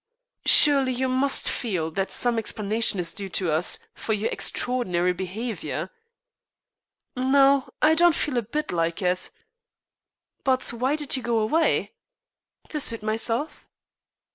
"Surely, you must feel that some explanation is due to us for your extraordinary behavior?" "No, I don't feel a bit like it." "But why did you go away?" "To suit myself."